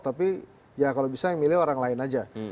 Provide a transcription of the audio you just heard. tapi ya kalau bisa yang milih orang lain aja